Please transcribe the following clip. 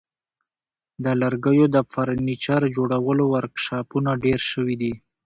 د لرګیو د فرنیچر جوړولو ورکشاپونه ډیر شوي دي.